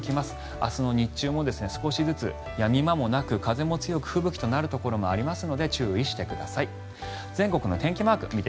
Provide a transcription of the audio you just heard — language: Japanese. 明日の日中も少しずつやみ間もなく、風も強く吹雪となるところもありますので注意してください。